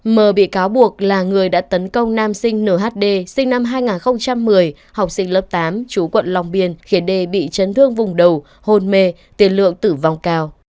mờ bị cáo buộc là người đã tấn công nam sinh nhd sinh năm hai nghìn một mươi học sinh lớp tám chú quận long biên khiến đề bị chấn thương vùng đầu hôn mê tiền lượng tử vong cao